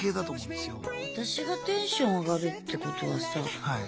私がテンション上がるってことはさ。